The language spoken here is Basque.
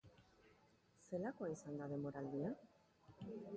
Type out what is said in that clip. Zelakoa izan da denboraldia?